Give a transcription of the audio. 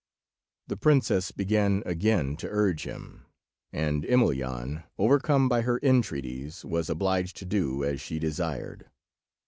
The princess began again to urge him, and Emelyan, overcome by her entreaties, was obliged to do as she desired.